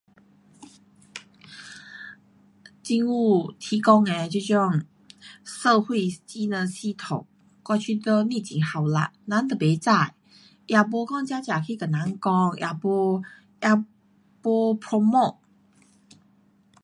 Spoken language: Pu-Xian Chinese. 政府提供的这种社会技能系统，我觉得不很效率，人都不知，也没讲真正去跟人讲,也没 promote